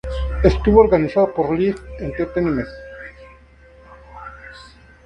Estuvo organizado por Life Entertainment.